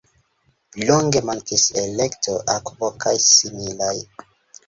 Longe mankis elekto, akvo kaj similaj.